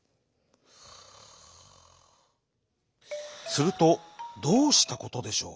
するとどうしたことでしょう。